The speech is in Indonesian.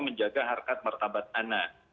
menjaga harga martabat anak